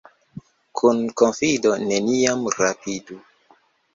Kun konfido neniam rapidu.